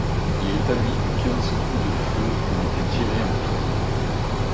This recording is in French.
Il est établi que quinze coups de feu ont été tirés en tout.